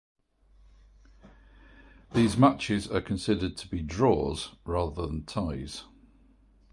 These matches are considered to be draws, rather than ties.